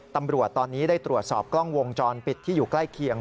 ตำรวจตอนนี้ได้ตรวจสอบกล้องวงจรปิดที่อยู่ใกล้เคียง